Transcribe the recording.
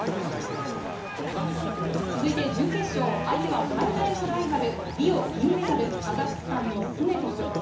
続いて準決勝相手は最大のライバルリオ銀メダルカザフスタンのスメトフ。